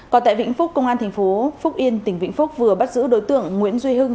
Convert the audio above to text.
còn tại vĩnh phúc công an thành phố phúc yên tỉnh vĩnh phúc vừa bắt giữ đối tượng nguyễn duy hưng